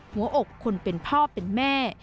หัวอกคนเป็นพ่อเป็นแม่